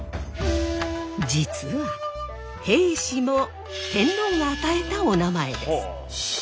実は平氏も天皇が与えたおなまえです。